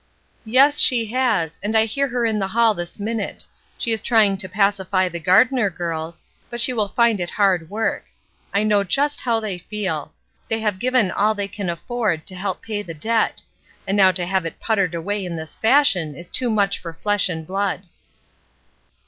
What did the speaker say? "Yes, she has, and I hear her in the hall this minute; she is trying to pacify the Gardner girls, but she will find it hard work. I know just how they feel. They have given all they can afford, to help pay the debt; and now to have it puttered away in this fashion is too much for flesh and blood."